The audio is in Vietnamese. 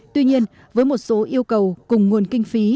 tuy nhiên với một số yêu cầu cùng nguồn kinh phí